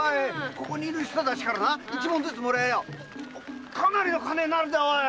ここにいる人たちから一文ずつもらえばかなりの金になるぜ！